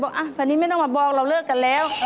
คราวนี้ไม่ต้องมาบอกเราเลิกกันแล้ว